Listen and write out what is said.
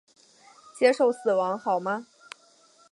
接受死亡好吗？